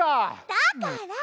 だから！